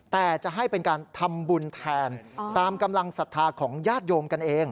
แต่จะให้เป็นการทำบุญแทนตามกำลังศรัทธาของญาติโยมกันเอง